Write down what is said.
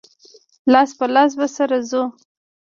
لاس په لاس به سره ځو.